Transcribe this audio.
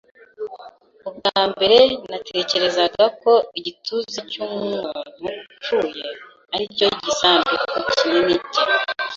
Ubwa mbere natekerezaga ko "igituza cy'umuntu wapfuye" aricyo gisanduku kinini cye